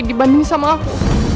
dibanding sama aku